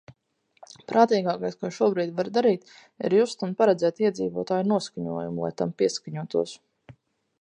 Prātīgākais, ko šobrīd var darīt, ir just un paredzēt iedzīvotāju noskaņojumu, lai tam pieskaņotos.